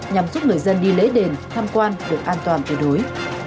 nhằm giúp người dân đi lễ đền tham quan được an toàn tuyệt đối